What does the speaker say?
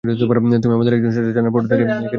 তুমি আমাদেরই একজন, সেটা জানার পর থেকে?